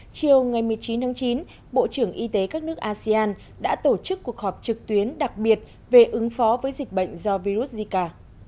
chiều ngày một mươi chín tháng chín bộ trưởng y tế các nước asean đã tổ chức cuộc họp trực tuyến đặc biệt về ứng phó với dịch bệnh do virus zika